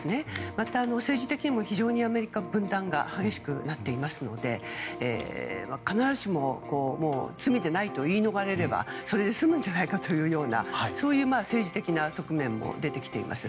また、政治的にも非常にアメリカは分断が激しくなっていますので必ずしも罪でないと言い逃れればそれで済むんじゃないかというような政治的側面も出てきています。